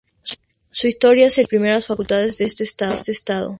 Su historia se liga a las primeras facultades de ese estado.